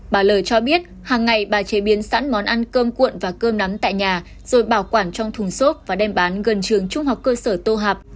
bà lời cho biết hàng ngày bà chế biến sẵn món ăn cơm cuộn và cơm nắn tại nhà rồi bảo quản trong thùng xốp và đem bán gần trường trung học cơ sở tô hạp